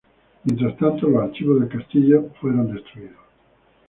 Mientras tanto los archivos del castillo fueron destruidos.